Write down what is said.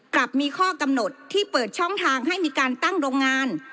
กลับมีข้อกำหนดที่เปิดช่องทางให้มีการตั้งโรงงาน